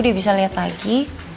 dia bisa liat lagi